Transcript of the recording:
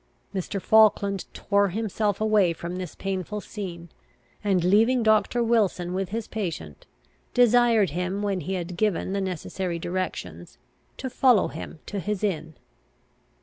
Mr. Falkland tore himself away from this painful scene, and, leaving Doctor Wilson with his patient, desired him, when he had given the necessary directions, to follow him to his inn.